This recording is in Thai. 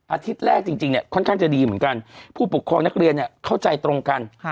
อาทิตย์แรกจริงเนี่ยค่อนข้างจะดีเหมือนกันผู้ปกครองนักเรียนเนี่ยเข้าใจตรงกัน